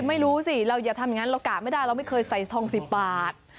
ไม่รู้สิเราอย่าทำอย่างนั้นเรากะไม่ได้เราไม่เคยใส่ทอง๑๐บาท